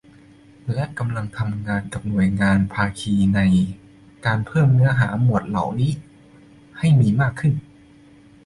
และกำลังทำงานกับหน่วยงานภาคีในการเพิ่มเนื้อหาหมวดเหล่านี้ให้มีมากขึ้น